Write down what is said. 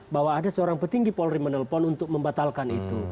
bahwa ada seorang petinggi polri menelpon untuk membatalkan itu